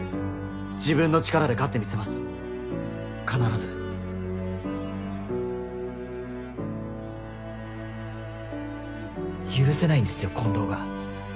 自分の力で勝ってみせます許せないんですよ近藤が。